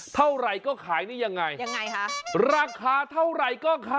เท่าไรก็ขายนี่ยังไง